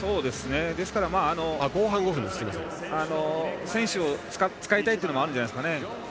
ですから選手を使いたいというのもあるんじゃないですかね。